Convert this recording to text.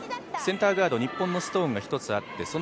センターガード、日本のストーンが１個あって、